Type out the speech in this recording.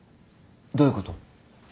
どういうこと？